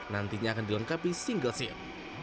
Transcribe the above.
nantinya akan dilengkapi single seat